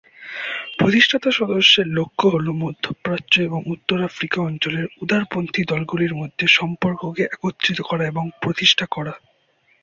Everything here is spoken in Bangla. প্রতিষ্ঠাতা সদস্যের লক্ষ্য হলো মধ্য প্রাচ্য এবং উত্তর আফ্রিকা অঞ্চলের উদারপন্থী দলগুলির মধ্যে সম্পর্ককে একত্রিত করা এবং প্রতিষ্ঠা করা।